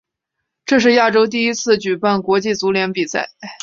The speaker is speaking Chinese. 这是亚洲第一次举办国际足联比赛。